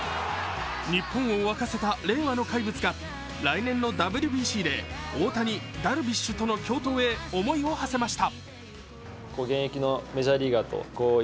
日本を沸かせた令和の怪物が来年のＷＢＣで大谷、ダルビッシュとの共闘へ思いをはせました。